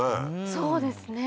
そうですね。